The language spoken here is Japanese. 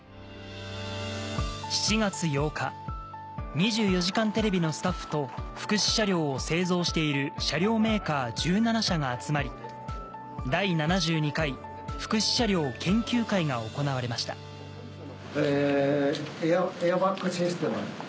『２４時間テレビ』のスタッフと福祉車両を製造している車両メーカー１７社が集まり第７２回福祉車両研究会が行われましたエアバッグシステム。